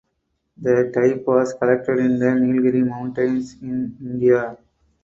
The type was collected in the Nilgiri Mountains in India.